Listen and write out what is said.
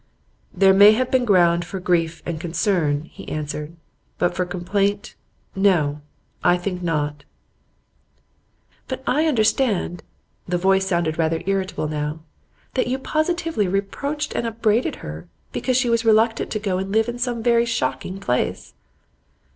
'There may have been ground for grief and concern,' he answered, 'but for complaint, no, I think not.' 'But I understand' the voice sounded rather irritable now 'that you positively reproached and upbraided her because she was reluctant to go and live in some very shocking place.